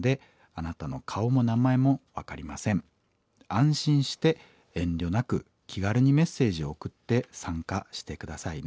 安心して遠慮なく気軽にメッセージを送って参加して下さいね。